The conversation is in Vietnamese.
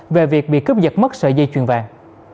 về việc bị cướp giật mất sợi dây chuyền vàng